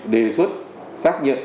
đề xuất xác nhận